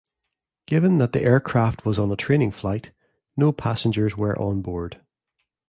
Given that the aircraft was on a training flight, no passengers were on board.